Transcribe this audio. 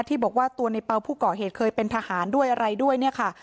ที่บอกว่าตัวในเปล่าผู้ก่อเหตุเคยเป็นทหารด้วยอะไรด้วยเนี่ยค่ะ